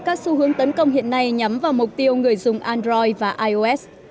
các xu hướng tấn công hiện nay nhắm vào mục tiêu người dùng android và ios